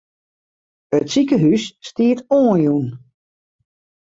It sikehús stiet oanjûn.